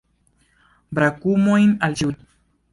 Brakumojn al ĉiuj!